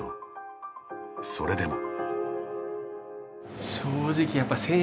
それでも。